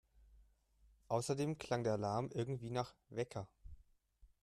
Außerdem klang der Alarm irgendwie nach … Wecker!